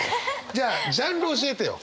じゃあジャンル教えてよ。